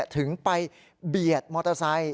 ถึงไปเบียดมอเตอร์ไซค์